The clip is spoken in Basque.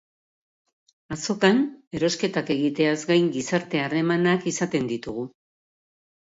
Azokan, erosketak egiteaz gain, gizarte harremanak izaten ditugu